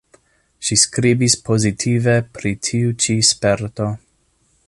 Ŝi skribis pozitive pri tiu ĉi sperto.